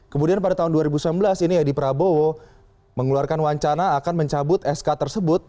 kemudian pada tahun dua ribu sembilan belas ini edi prabowo mengeluarkan wacana akan mencabut sk tersebut